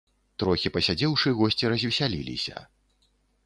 Трохі пасядзеўшы, госці развесяліліся.